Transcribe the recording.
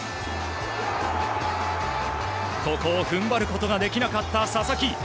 ここを踏ん張ることができなかった佐々木。